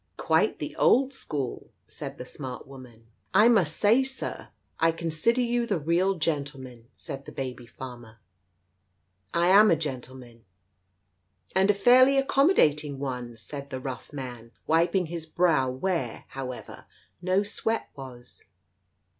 "Quite the old school 1 " said the smart woman. " I must say, Sir, — I consider you the real gentleman," said the baby farmer. "lama gentleman." "And a fairly accommodating one! " said the rough man, wiping his brow where, however, no sweat was.